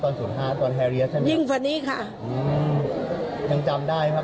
ตอนศูนย์ห้าตอนใช่ไหมยิ่งฝั่งนี้ค่ะอืมยังจำได้ค่ะ